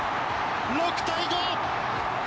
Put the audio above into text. ６対５！